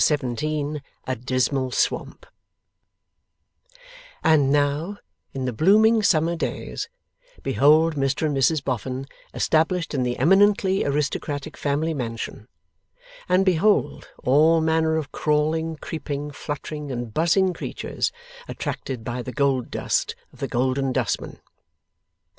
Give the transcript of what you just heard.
Chapter 17 A DISMAL SWAMP And now, in the blooming summer days, behold Mr and Mrs Boffin established in the eminently aristocratic family mansion, and behold all manner of crawling, creeping, fluttering, and buzzing creatures, attracted by the gold dust of the Golden Dustman!